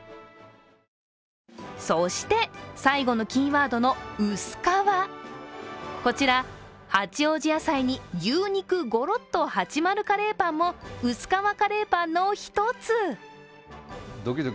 そして、最後のキーワードのうす皮こちら、八王子野菜に牛肉ゴロッとはちまるカレーパンもうすかわカレーパンの１つ。